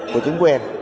của chính quyền